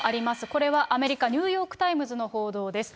これはアメリカ、ニューヨーク・タイムズの報道です。